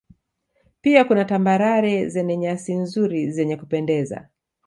Pia kuna Tambarare zenye nyasi nzuri zenye kupendeza